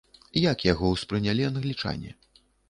Як яго ўспрынялі англічане?